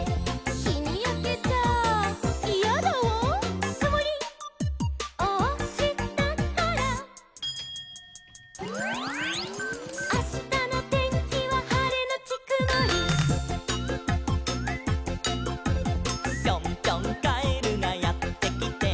「『ひにやけちゃイヤだわ』」「くもりをおしたから」「あしたのてんきははれのちくもり」「ぴょんぴょんカエルがやってきて」